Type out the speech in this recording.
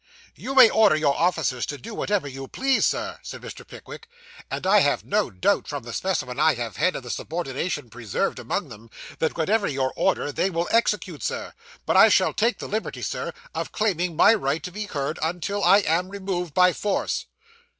'You may order your officers to do whatever you please, Sir,' said Mr. Pickwick; 'and I have no doubt, from the specimen I have had of the subordination preserved amongst them, that whatever you order, they will execute, Sir; but I shall take the liberty, Sir, of claiming my right to be heard, until I am removed by force.